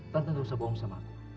tante jangan bohong sama aku